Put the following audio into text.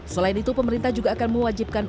selain itu pemerintah juga akan mewajibkan